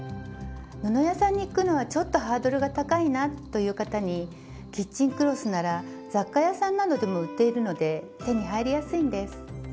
布屋さんに行くのはちょっとハードルが高いなという方にキッチンクロスなら雑貨屋さんなどでも売っているので手に入りやすいんです。